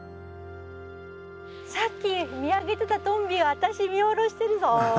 さっき見上げてたトンビ私見下ろしてるぞ。